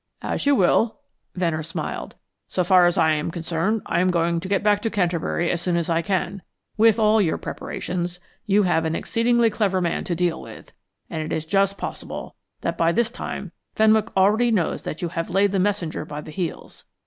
"As you will," Venner smiled. "So far as I am concerned, I am going to get back to Canterbury as soon as I can. With all your preparations you have an exceedingly clever man to deal with, and it is just possible that by this time Fenwick already knows that you have laid the messenger by the heels.